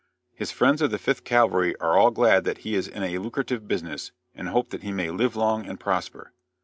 His friends of the Fifth Cavalry are all glad that he is in a lucrative business, and hope that he may live long and prosper.